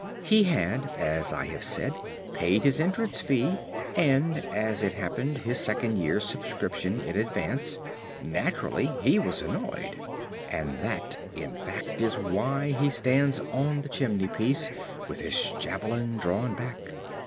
He had, as I have said, paid his entrance fee, and (as it happened) his second year's subscription in advance. Naturally he was annoyed.... "And that, in fact, is why he stands on the chimney piece with his javelin drawn back.